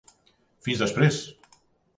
Fins després!